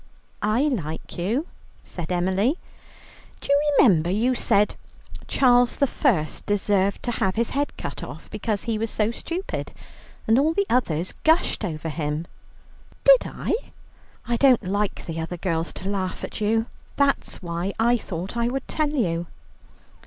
"I like you," said Emily. "Do you remember you said Charles I. deserved to have his head cut off because he was so stupid, and all the others gushed over him?" "Did I?" "I don't like the other girls to laugh at you; that's why I thought I would tell you."